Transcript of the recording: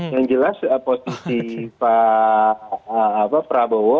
yang jelas posisi pak prabowo